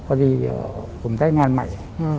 ผมได้งานใหม่